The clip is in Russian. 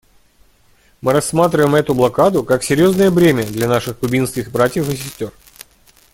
Мы рассматриваем эту блокаду как серьезное бремя для наших кубинских братьев и сестер.